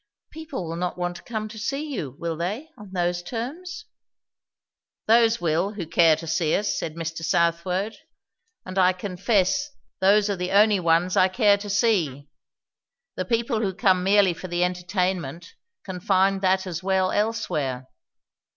"People will not want to come to see you, will they, on those terms?" "Those will who care to see us," said Mr. Southwode; "and I confess those are the only ones I care to see. The people who come merely for the entertainment can find that as well elsewhere."